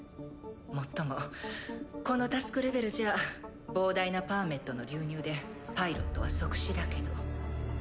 もっともこのタスクレベルじゃ膨大なパーメットの流入でパイロットは即死だけど。